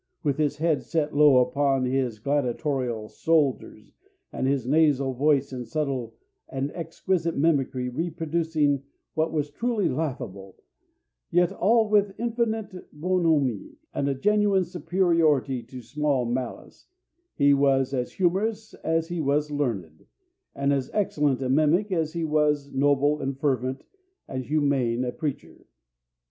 With his head set low upon his gladiatorial shoulders, and his nasal voice in subtle and exquisite mimicry reproducing what was truly laughable, yet all with infinite bonhommie and a genuine superiority to small malice, he was as humorous as he was learned, and as excellent a mimic as he was noble and fervent and humane a preacher.